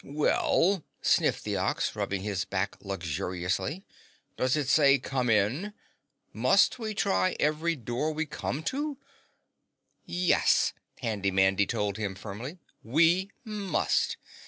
"Well," sniffed the Ox, rubbing his back luxuriously, "does it say 'come in'? Must we try every door we come to?" "Yes," Handy Mandy told him firmly, "we must!